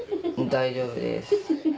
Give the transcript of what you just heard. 大丈夫です。